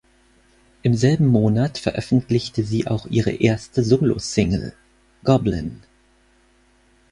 Im selben Monat veröffentlichte sie auch ihre erste Solosingle "Goblin".